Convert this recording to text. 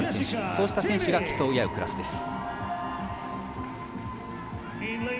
そうした選手が競い合うクラスです。